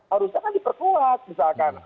harusnya kan diperkuat misalkan